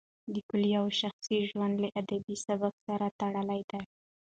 د کویلیو شخصي ژوند له ادبي سبک سره تړلی دی.